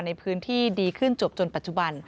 ในพื้นที่ดีขึ้นจบจนปัจจุบัน